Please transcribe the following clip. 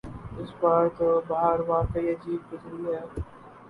اس بار تو بہار واقعی عجیب گزری ہے۔